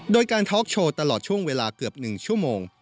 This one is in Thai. โดยการทอล์กโชว์ตลอดช่วงเวลาเกือบ๑ชั่วโมง